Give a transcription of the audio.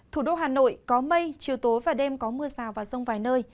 thủ đô hà nội có mây chiều tối và đêm có mưa rào và rơi